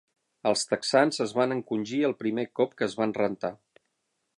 Els texans es van encongir el primer cop que es van rentar.